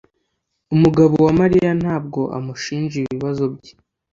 Umugabo wa Mariya ntabwo amushinja ibibazo bye